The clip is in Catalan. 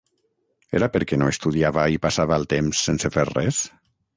Era perquè no estudiava i passava el temps sense fer res?